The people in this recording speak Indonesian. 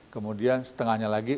kemudian setengahnya lagi